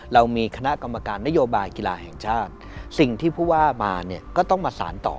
เรามีคณะกรรมการนโยบายกีฬาแห่งชาติสิ่งที่ผู้ว่ามาเนี่ยก็ต้องมาสารต่อ